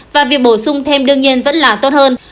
và việc bổ sung thêm đương nhiên vẫn là tốt hơn